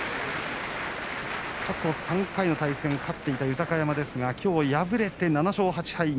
過去３回の対戦勝っていた豊山ですがきょう敗れて７勝８敗。